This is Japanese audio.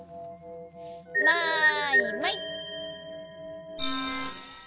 マイマイ。